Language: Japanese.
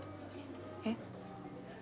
えっ？